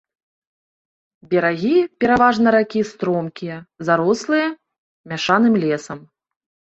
Берагі пераважна ракі стромкія, зарослыя мяшаным лесам.